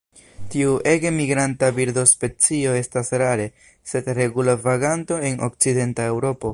Tiu ege migranta birdospecio estas rare sed regula vaganto en okcidenta Eŭropo.